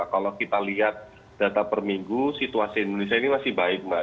kalau kita lihat data per minggu situasi indonesia ini masih baik mbak